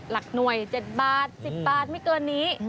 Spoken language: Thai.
หลักหน่วย๗บาท๑๐บาทไม่เกินนี้